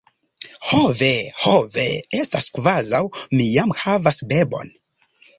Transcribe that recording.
Ho ve, ho ve! Estas kvazaŭ mi jam havas bebon.